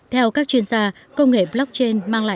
theo các chuyên gia công nghệ blockchain mang lại nhiều ứng dụng